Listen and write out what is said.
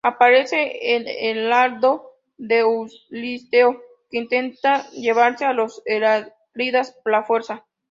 Aparece el heraldo de Euristeo, que intenta llevarse a los Heráclidas por la fuerza.